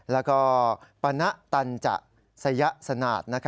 แล้วก็ปะนะตันตรระสัยสนาท